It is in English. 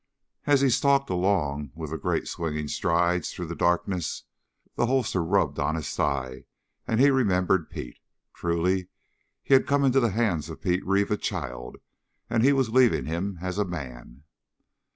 As he stalked along with the great swinging strides through the darkness, the holster rubbed on his thigh and he remembered Pete. Truly he had come into the hands of Pete Reeve a child, and he was leaving him as a man.